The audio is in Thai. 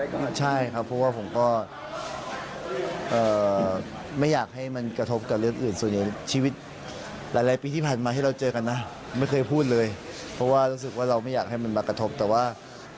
ไปฟังกันเลยดีกว่าค่ะค่ะ